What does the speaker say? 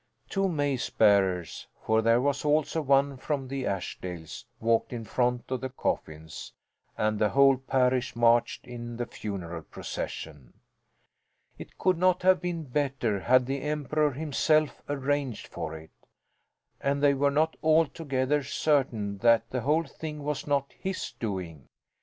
Two mace bearers (for there was also one from the Ashdales) walked in front of the coffins, and the whole parish marched in the funeral procession. It could not have been better had the Emperor himself arranged for it. And they were not altogether certain that the whole thing was not his doing.